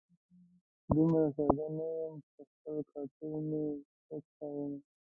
دومره ساده نه یم چي خپل قاتل مي وستایمه